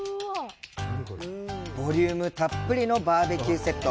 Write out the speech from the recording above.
ボリュームたっぷりのバーベキューセット。